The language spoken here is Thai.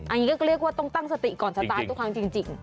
อันนี้ก็เรียกว่าต้องตั้งสติก่อนจะตายทุกครั้งจริง